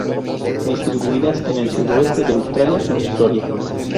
Distribuidas en el sudoeste de Australia y Victoria.